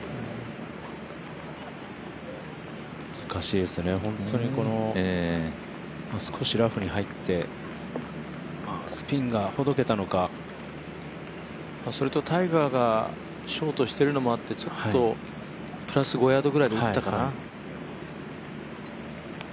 難しいですね、本当に少しラフに入ってそれとタイガーがショートしているのもあってちょっとプラス５ヤードぐらいで打ったかな。